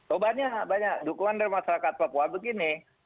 oh banyak banyak dukungan dari masyarakat papua begini